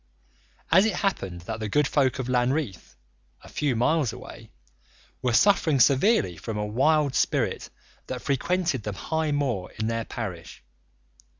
And it happened that the good folk of Lanreath, a few miles away, were suffering severely from a wild spirit that frequented the high moor in their parish.